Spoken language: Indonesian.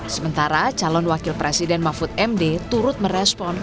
sementara calon wakil presiden mahfud md turut merespon